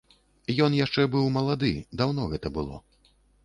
Ён яшчэ быў малады, даўно гэта было.